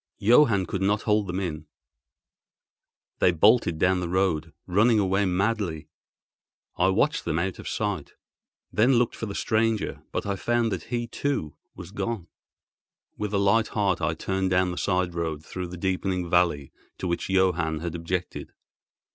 Johann could not hold them in; they bolted down the road, running away madly. I watched them out of sight, then looked for the stranger, but I found that he, too, was gone. With a light heart I turned down the side road through the deepening valley to which Johann had objected.